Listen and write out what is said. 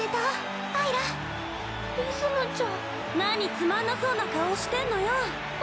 何つまんなそうな顔してんのよ。